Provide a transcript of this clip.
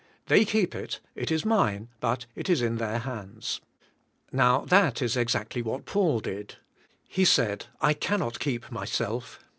They keep it; it is mine, but it is in their hands. Now, that is exactly what Paul did. He said, "I cannot keep myself.